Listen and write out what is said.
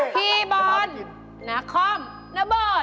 พี่บอร์รนาคอมนาโบรด